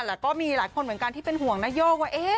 แล้วก็มีหลายคนเหมือนกันที่เป็นห่วงนโยกว่า